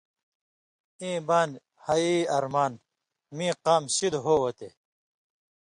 ایں بانیۡ: ہئ ارمان! میں قام شِدیۡ ہو وتے